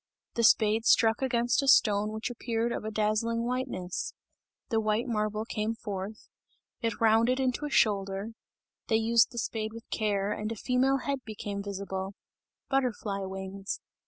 The spade struck against a stone which appeared of a dazzling whiteness the white marble came forth it rounded into a shoulder; they used the spade with care, and a female head became visible butterfly wings.